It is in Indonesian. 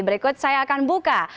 berikut saya akan buka